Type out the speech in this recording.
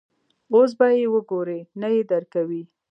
اوس به یې وګورې، نه یې درکوي.